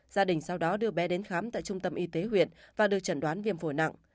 gia đình sau đó đưa bé đến khám tại trung tâm y tế huyện và được chẩn đoán viêm phổi nặng